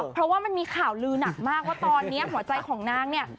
เพราะว่ามันมีข่าวลือหนักมากว่าตอนนี้หัวใจของนางเนี่ย